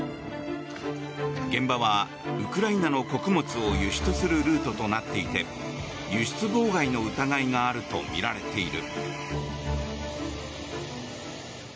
現場はウクライナの穀物を輸出するルートとなっていて輸出妨害の疑いがあるとみられている。